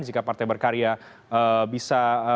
jika partai berkarya bisa